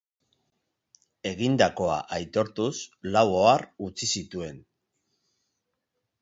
Egindakoa aitortuz lau ohar utzi zituen.